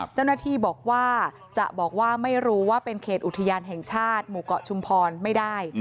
เจ้าหน้าที่บอกว่าจะบอกว่าไม่รู้ว่าเป็นเขตอุทยานแห่งชาติหมู่เกาะชุมพรไม่ได้